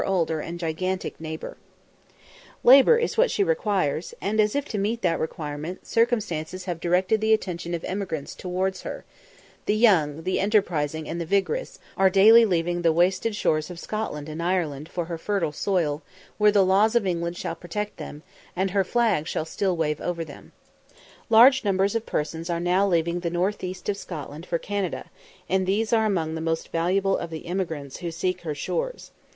Labour is what she requires, and as if to meet that requirement, circumstances have directed the attention of emigrants towards her the young, the enterprising, and the vigorous, are daily leaving the wasted shores of Scotland and Ireland for her fertile soil, where the laws of England shall still protect them, and her flag shall still wave over them. Large numbers of persons are now leaving the north east of Scotland for Canada, and these are among the most valuable of the emigrants who seek her shores.